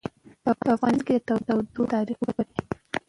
په افغانستان کې د تودوخه تاریخ اوږد دی.